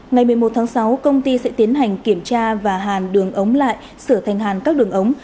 ngày một mươi một tháng sáu công ty sẽ tiến hành kiểm tra và hàn đường ống lại sửa thành hàn các đường ống